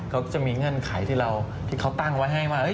ก็จะมีเงื่อนไขที่เราที่เขาตั้งไว้ให้ว่า